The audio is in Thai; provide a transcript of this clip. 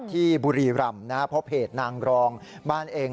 ที่บุรีรำนะครับเพราะเพจนางรองบ้านเอง